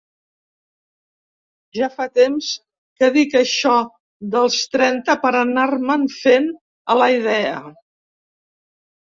Ja fa temps que dic això dels trenta per anar-me'n fent a la idea.